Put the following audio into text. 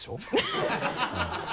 ハハハ